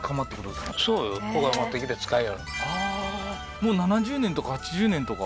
もう７０年とか８０年とか？